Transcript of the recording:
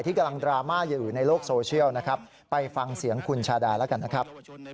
กำลังดราม่าอยู่ในโลกโซเชียลนะครับไปฟังเสียงคุณชาดาแล้วกันนะครับ